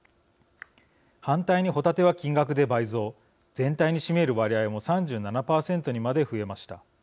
反対にホタテは金額で倍増全体に占める割合も３７％にまで増えました。